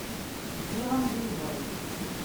Ddiɣ-am di lebɣi.